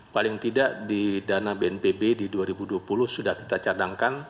paling tidak di dana bnpb di dua ribu dua puluh sudah kita cadangkan